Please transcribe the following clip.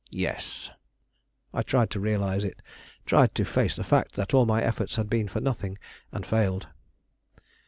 "Yes." I tried to realize it; tried to face the fact that all my efforts had been for nothing, and failed.